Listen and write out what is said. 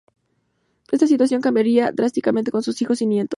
Esta situación cambiaría drásticamente con sus hijos y nietos.